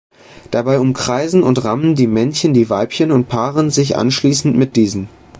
Dabei umkreisen und rammen die Männchen die Weibchen und paaren sich anschließend mit diesen.